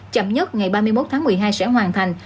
chậm nhất ngày ba mươi một tháng một mươi hai sẽ hoàn thành